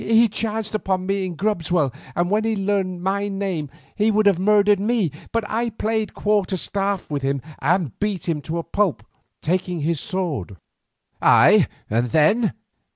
He chanced upon me in Grubswell, and when he learned my name he would have murdered me. But I played quarter staff with him and beat him to a pulp, taking his sword." "Ay, and then?"